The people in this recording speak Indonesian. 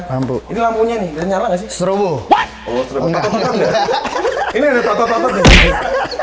ini lampunya nih nyala nggak sih seroboh oh seroboh toto toto deh ini ada toto toto nih